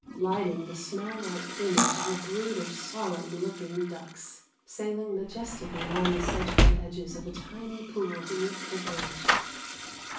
lighting the snow white plumage of a brood of solemn looking ducks, sailing majestically round the sedge girt edges of a tiny pool beneath the bridge.